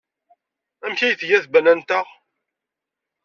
Amek ay tga tbanant-a?